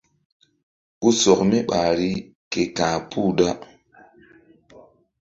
Ku sɔk mi ɓahri ke ka̧h puh da.